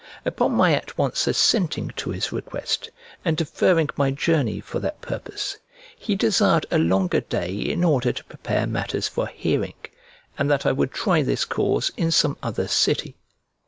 Upon my at once assenting to his request, and deferring my journey for that purpose, he desired a longer day in order to prepare matters for hearing, and that I would try this cause in some other city.